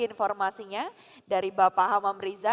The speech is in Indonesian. informasinya dari bapak hamam riza